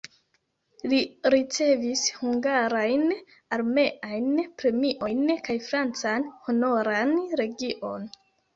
Li ricevis hungarajn armeajn premiojn kaj francan Honoran legion.